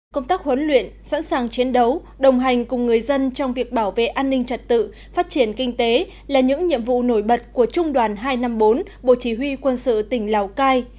công tác huấn luyện sẵn sàng chiến đấu đồng hành cùng người dân trong việc bảo vệ an ninh trật tự phát triển kinh tế là những nhiệm vụ nổi bật của trung đoàn hai trăm năm mươi bốn bộ chỉ huy quân sự tỉnh lào cai